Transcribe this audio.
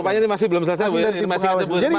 rupanya ini masih belum selesai